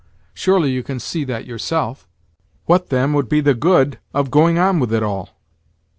Surely you can see that yourself? What, then, would be the good of going on with it all?